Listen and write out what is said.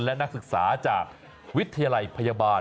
และนักศึกษาจากวิทยาลัยพยาบาล